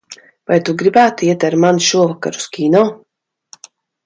Vai tu gribētu iet ar mani šovakar uz kino?